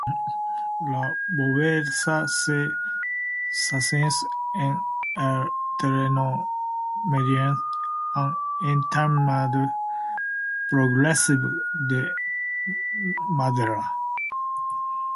La bóveda se sostiene en el terreno mediante un entramado progresivo de madera.